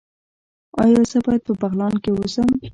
ایا زه باید په بغلان کې اوسم؟